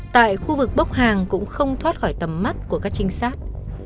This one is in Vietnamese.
tại khu vực bốc hàng cũng không thoát khỏi tầm mắt của các trinh sát